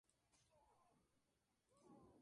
La inferior, ofrece un estilo retro nostálgico.